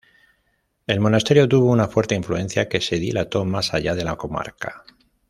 El monasterio tuvo una fuerte influencia que se dilató más allá de la comarca.